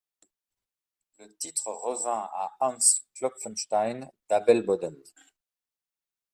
Le titre revint à Hans Klopfenstein, d'Adelboden.